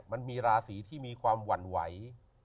มันมีราศีที่มีความหวั่นไหว